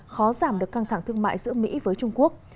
khó giảm được căng thẳng thương mại giữa mỹ với trung quốc